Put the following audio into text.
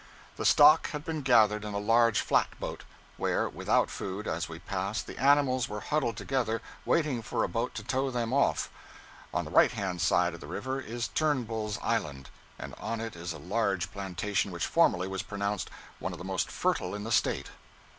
The stock had been gathered in a large flat boat, where, without food, as we passed, the animals were huddled together, waiting for a boat to tow them off. On the right hand side of the river is Turnbull's Island, and on it is a large plantation which formerly was pronounced one of the most fertile in the State.